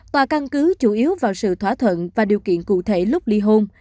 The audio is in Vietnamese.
tòa căn cứ chủ yếu vào sự thỏa thuận và điều kiện cụ thể lúc ly hôn